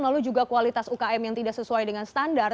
lalu juga kualitas ukm yang tidak sesuai dengan standar